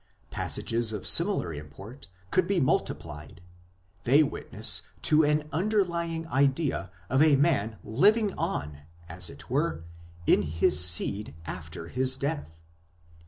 Passages of similar import could be multiplied ; they witness to an underlying idea of a man living on, as it were, in his seed after his death.